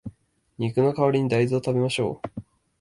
肉の代わりに大豆を食べましょう